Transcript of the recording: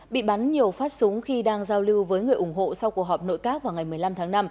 bị bắn nhiều phát súng khi đang giao lưu với người ủng hộ sau cuộc họp nội các vào ngày một mươi năm tháng năm